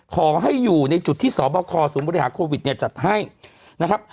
ขอให้อยู่ในจุดที่สบคสมคเนี่ยจัดให้นะครับ